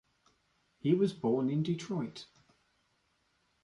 He was born in Detroit.